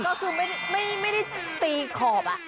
ก็คือไม่ได้ตีขอบ